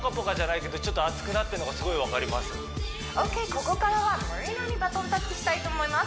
ここからはまりなにバトンタッチしたいと思います